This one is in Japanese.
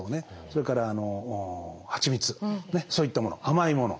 それからはちみつそういったもの甘いもの。